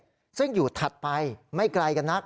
แล้วก็เหมือนอย่างที่เด็กเรือเขาอธิบายมาเหมือนกันคุณ